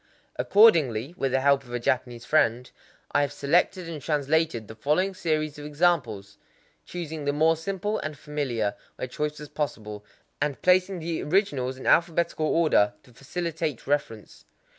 Accordingly, with the help of a Japanese friend, I have selected and translated the following series of examples,—choosing the more simple and familiar where choice was possible, and placing the originals in alphabetical order to facilitate reference.